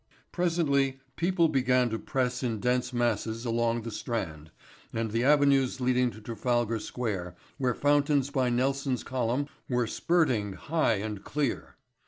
Presently people began to press in dense masses along the Strand and the avenues leading to Trafalgar Square where fountains by Nelson's column were spurting high and clear.